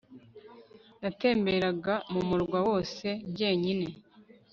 natemberaga m'umurwa wose njyenyine